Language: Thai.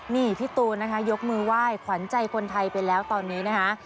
นี่พี่ตูนนะคะยกมือไหว้ขวัญใจคนไทยไปแล้วตอนนี้นะคะ